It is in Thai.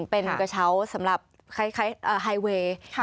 เป็นกระเช้าสำหรับไฮเวย์